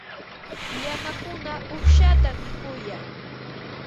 Llamakuna uqshatam mikuyan.